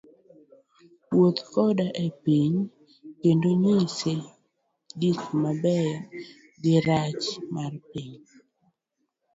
Wuoth kode epiny kendo nyise gik mabeyo girach mar piny.